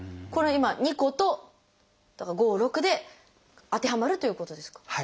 これは今２個とだから５６で当てはまるっていうことですか。